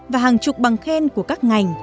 và hàng chục bằng khen của các ngành